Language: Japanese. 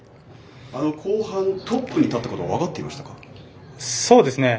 後半、トップに立ったこと分かってましたか。